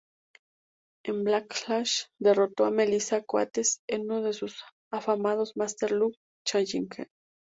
En Backlash derrotó a Melissa Coates en uno de sus afamados Master Lock Challenge.